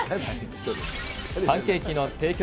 パンケーキの提供